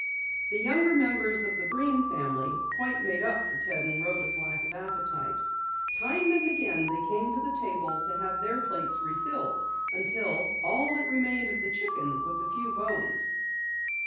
The younger members of the Breen family quite made up for Ted and Rhoda's lack of appetite. Time and again they came to the table to have their plates refilled, until all that remained of the chicken was a few bones.